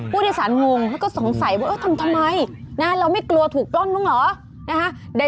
ผู้โดยสารงงเขาก็สงสัยว่าทำทำไมเราไม่กลัวถูกต้นหรือ